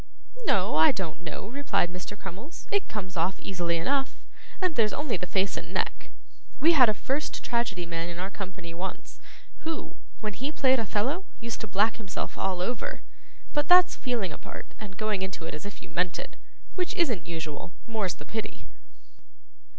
'No, I don't know,' replied Mr. Crummles; 'it comes off easily enough, and there's only the face and neck. We had a first tragedy man in our company once, who, when he played Othello, used to black himself all over. But that's feeling a part and going into it as if you meant it; it isn't usual; more's the pity.